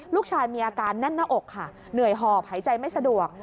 ลูกชายมีอาการแน่นหน้าอกค่ะเหนื่อยหอบหายใจไม่สะดวก